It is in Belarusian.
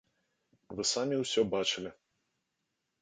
Вы самі ўсё бачылі.